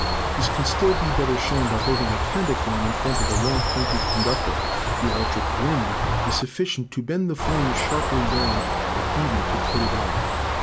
This can be still better shown by holding a candle flame in front of a long pointed conductor. The electric wind is sufficient to bend the flame sharply down, or even to put it out.